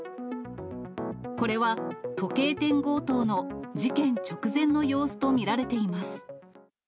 これは、時計店強盗の事件直前の様子と見られています。